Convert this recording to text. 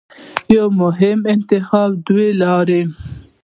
د یوه مهم انتخاب دوه لارې